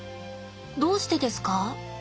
どうしてですか？